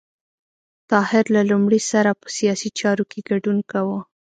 طاهر له لومړي سره په سیاسي چارو کې ګډون کاوه.